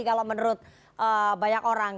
kalau menurut banyak orang